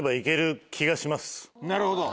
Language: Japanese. なるほど。